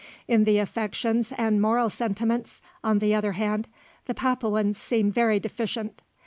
In the affections and moral sentiments, on the other hand, the Papuans seem very deficient.